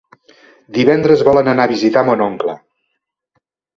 Divendres volen anar a visitar mon oncle.